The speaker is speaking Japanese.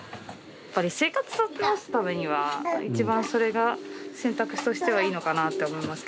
やっぱり生活立て直すためには一番それが選択肢としてはいいのかなって思いますけど。